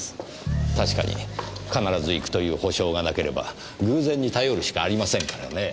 確かに必ず行くという保証がなければ偶然に頼るしかありませんからね。